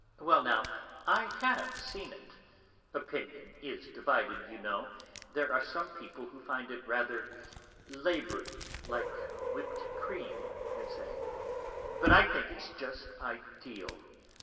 Well now, I have seen it; opinion is divided, you know, there are some people who find it rather laboured, like whipped cream, they say; but I think it's just ideal.